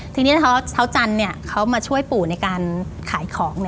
ทีนี้เช้าจันทร์เขามาช่วยปู่ในการขายของ